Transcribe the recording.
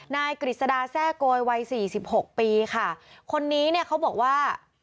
กฤษดาแทร่โกยวัยสี่สิบหกปีค่ะคนนี้เนี่ยเขาบอกว่า